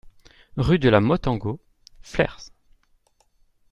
Rue de la Motte Ango, Flers